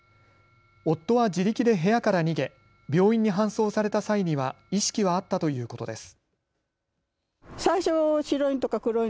夫は自力で部屋から逃げ病院に搬送された際には意識はあったということです。